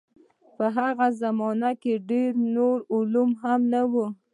په هغه زمانه کې ډېر نور علوم هم نه وو.